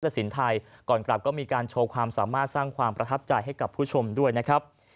สินไทยก่อนกลับก็มีการโชว์ความสามารถสร้างความประทับใจให้กับผู้ชมด้วยนะครับ